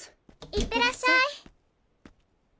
いってらっしゃい！